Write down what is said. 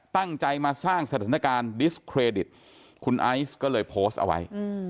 ตั้งใจมาสร้างสถานการณ์ดิสเครดิตคุณไอซ์ก็เลยโพสต์เอาไว้